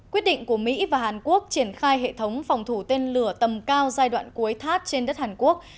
quyết định của mỹ và hàn quốc triển khai hệ thống phòng thủ tên lửa tầm cao giai đoạn cuối thắt trên đất hàn quốc